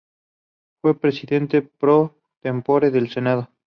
Fue presidente pro tempore del senado.